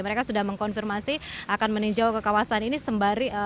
mereka sudah mengkonfirmasi akan meninjau ke kawasan ini sembari